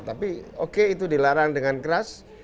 tapi oke itu dilarang dengan keras